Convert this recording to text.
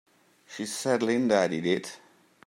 She said Linda did it!